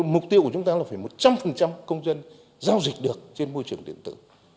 mục tiêu của chúng ta là phải một trăm linh công dân giao dịch được trên môi trường điện tử